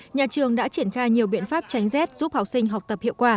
nhà trường đã triển khai nhiều biện pháp tránh rét giúp học sinh học tập hiệu quả